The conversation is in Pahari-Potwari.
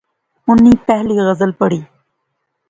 انی پہلی غزل پڑھی